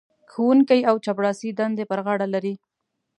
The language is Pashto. ښوونکی او چپړاسي دندې پر غاړه لري.